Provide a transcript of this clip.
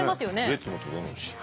列も整うし。